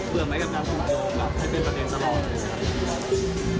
เบื่อไหมกับการสูงโดงให้เป็นประเทศสำหรับเธอ